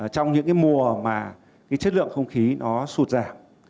trong những cái mùa mà cái chất lượng không khí nó sụt giảm